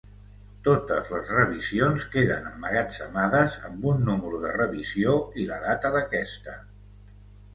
Totes les revisions queden emmagatzemades amb un número de revisió i la data d'aquesta.